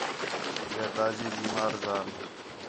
یا تاجی بیمار ذال